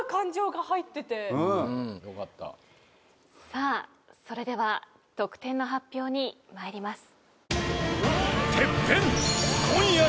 さあそれでは得点の発表に参ります。